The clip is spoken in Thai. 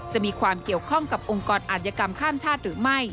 จะมีความเกี่ยวข้องกับองค์กรอาธิกรรมข้ามชาติหรือไม่